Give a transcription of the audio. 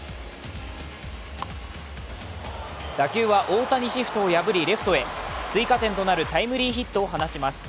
打球は大谷シフトを破り、レフトへ追加点となるタイムリーヒットを放ちます。